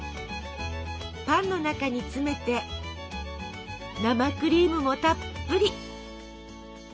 パンの中に詰めて生クリームもたっぷり。